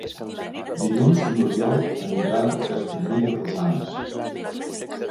Dilluns n'Oriol anirà a Castellví de Rosanes.